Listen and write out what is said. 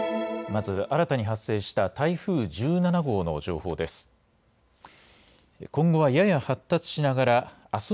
まず新たに発生した台風１７号の情報です。